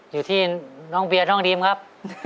อยู่ที่น้องเบียร์น้องดีมครับ